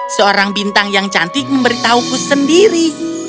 seorang bintang yang cantik memberitahuku sendiri